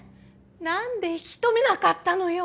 なんで引き留めなかったのよ！